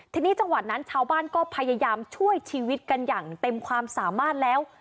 ทีนี้จังหวัดนั้นชาวบ้านก็พยายามช่วยชีวิตกันอย่างเต็มความสามารถแล้ว